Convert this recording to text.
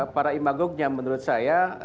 para imagoknya menurut saya